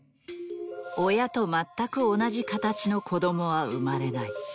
親と全く同じ形の子供は生まれない。